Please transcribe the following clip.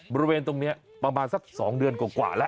บริเวณตรงนี้ประมาณสัก๒เดือนกว่าแล้ว